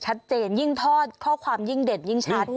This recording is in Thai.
ยิ่งทอดข้อความยิ่งเด็ดยิ่งชัด